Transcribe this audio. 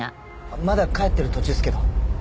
まだ帰ってる途中っすけど。